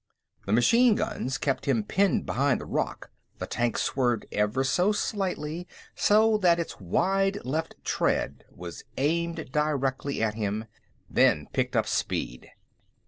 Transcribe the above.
The machine guns kept him pinned behind the rock; the tank swerved ever so slightly so that its wide left tread was aimed directly at him, then picked up speed.